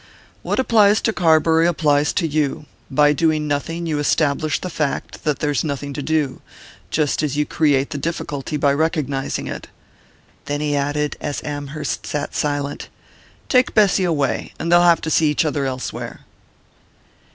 "What applies to Carbury applies to you by doing nothing you establish the fact that there's nothing to do; just as you create the difficulty by recognizing it." And he added, as Amherst sat silent: "Take Bessy away, and they'll have to see each other elsewhere."